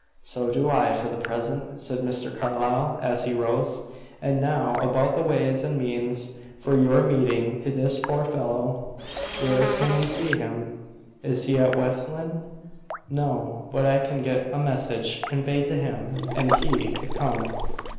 "So do I, for the present," said Mr. Carlyle, as he rose. "And now, about the ways and means for your meeting this poor fellow. Where can you see him?" "Is he at West Lynne?" "No. But I can get a message conveyed to him, and he could come."